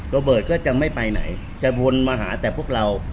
โรเบิร์ตก็จะไม่ไปไหนจะวนมาหาแต่พวกเรา